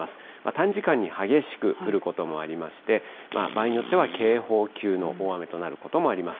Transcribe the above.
短時間に激しく降ることもありまして、場合によっては警報級の大雨となることもあります。